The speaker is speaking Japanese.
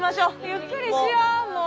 ゆっくりしよもう。